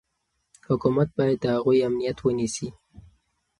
حکومت باید د هغوی امنیت ونیسي.